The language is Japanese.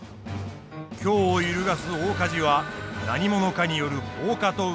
京を揺るがす大火事は何者かによる放火と疑われる。